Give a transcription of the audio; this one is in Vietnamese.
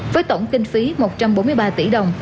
với tổng kinh phí một trăm bốn mươi ba tỷ đồng